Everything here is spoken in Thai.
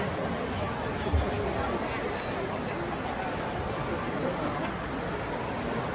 สุดท้ายสุดท้ายสุดท้าย